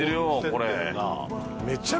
これ。